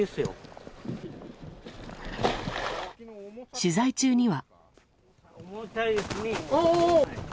取材中には。